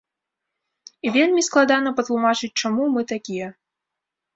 І вельмі складана патлумачыць, чаму мы такія.